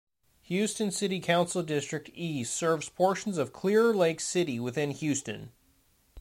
Houston City Council District E serves portions of Clear Lake City within Houston.